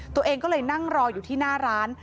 ตัวเองก็เลยนั่งรออยู่ที่หน้าร้าน